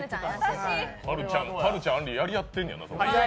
はるちゃん、あんり、やり合ってんな。